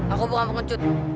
aku bukan penguncut